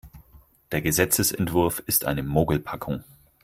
Der Gesetzesentwurf ist eine Mogelpackung.